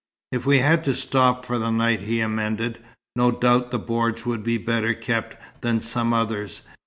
"If we had to stop for the night," he amended, "no doubt the bordj would be better kept than some others.